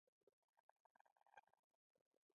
د جمهوریت د دورې ټول چارواکي دي او خپلي خاطرې ولیکي